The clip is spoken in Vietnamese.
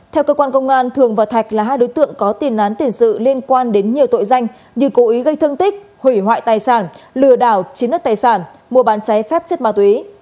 theo cơ quan công an thường và thạch là hai đối tượng có tiền án tiền sự liên quan đến nhiều tội danh như cố ý gây thương tích hủy hoại tài sản lừa đảo chiếm đất tài sản mua bán cháy phép chất ma túy